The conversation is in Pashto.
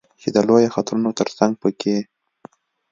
چې د لویو خطرونو ترڅنګ په کې